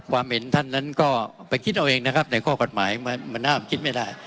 ให้เป็นการการลงคะแนนใหม่